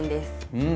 うん。